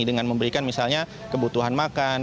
dengan memberikan misalnya kebutuhan makan